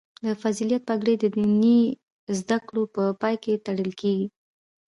د فضیلت پګړۍ د دیني زده کړو په پای کې تړل کیږي.